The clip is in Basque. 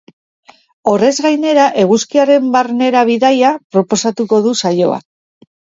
Horrez gainera, eguzkiaren barnera bidaia proposatuko du saioak.